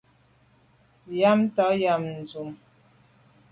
Nyam tà yàme à dum.